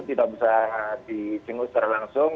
tidak bisa disinggung secara langsung